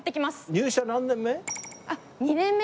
入社何年目？